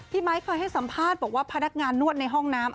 ไมค์เคยให้สัมภาษณ์บอกว่าพนักงานนวดในห้องน้ำ